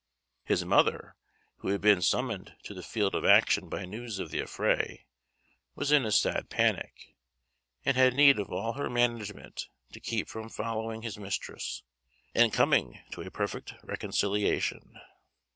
His mother, who had been summoned to the field of action by news of the affray, was in a sad panic, and had need of all her management to keep him from following his mistress, and coming to a perfect reconciliation.